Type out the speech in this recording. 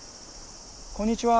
こんにちは。